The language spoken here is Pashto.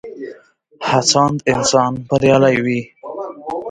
هڅاند انسان بريالی وي.